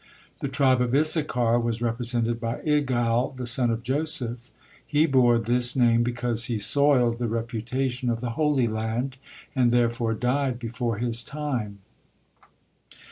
The tribe of Issachar was represented by Igal, the son of Joseph. He bore this name because he soiled the reputation of the Holy Land, and therefore died before his time.